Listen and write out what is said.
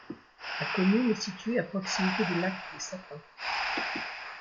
La commune est située à proximité du lac des Sapins.